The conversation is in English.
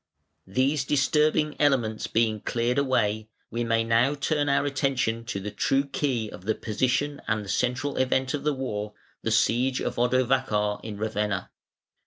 III. These disturbing elements being cleared away, we may now turn our attention to the true key of the position and the central event of the war, the siege of Odovacar in Ravenna.